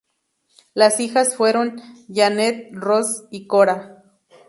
Las hijas fueron Jeanette, Rose y Cora.